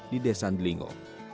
di desa delingo